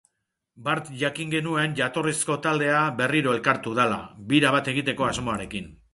Bart jakin genuen jatorrizko taldea berriro elkartu dela, bira bat egiteko asmoarekin.